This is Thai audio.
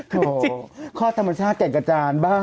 โถ่ข้อธรรมชาติแก่งกระจานบ้า